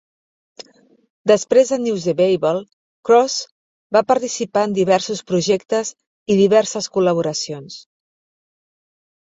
Després de News de Babel, Krause va participar en diversos projectes i diverses col·laboracions.